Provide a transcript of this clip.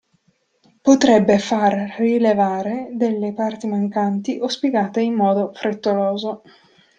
Potrebbe far rilevare delle parti mancanti o spiegate in modo frettoloso.